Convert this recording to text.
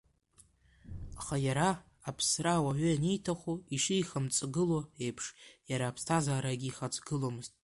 Аха иара аԥсра ауаҩы ианиҭаху ишихамҵгыло еиԥш, иара аԥсҭазаарагь ихаҵгыломызт.